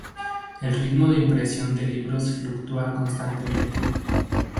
El ritmo de impresión de libros fluctúa constantemente.